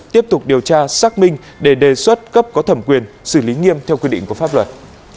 tiếp tục điều tra xác minh để đề xuất cấp có thẩm quyền xử lý nghiêm theo quy định của pháp luật